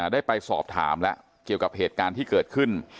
ได้ไปสอบถามแล้วเกี่ยวกับเหตุการณ์ที่เกิดขึ้น